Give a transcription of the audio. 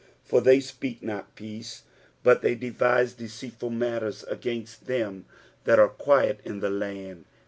20 For they speak not peace : but they devise deceitful matters against them that are quiet in the land.